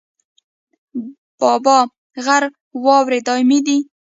د بابا غر واورې دایمي دي